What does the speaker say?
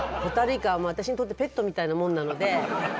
ホタルイカはもう私にとってペットみたいなもんなので。